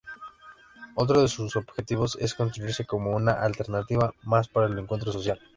Otro de sus objetivos es constituirse como una alternativa más para el encuentro social.